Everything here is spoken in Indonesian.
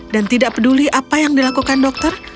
dan tidak peduli apa yang dilakukan dokter